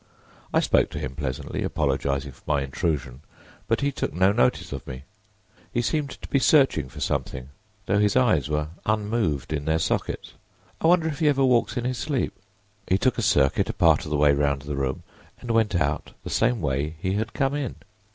I spoke to him pleasantly, apologizing for my intrusion, but he took no notice of me. He seemed to be searching for something, though his eyes were unmoved in their sockets. I wonder if he ever walks in his sleep. He took a circuit a part of the way round the room, and went out the same way he had come in.